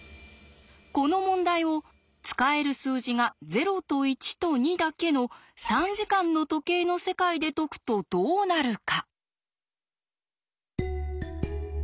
この問題を使える数字が０と１と２だけの３時間の時計の世界で解くとどうなるか？